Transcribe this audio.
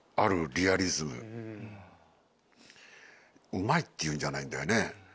うまいっていうんじゃないんだよね。